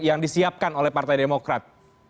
yang disiapkan oleh partai demokrat